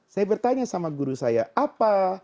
saya bertanya sama guru saya apa